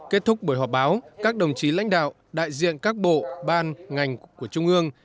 kết thúc buổi họp báo các đồng chí lãnh đạo đại diện các bộ ban ngành của trung ương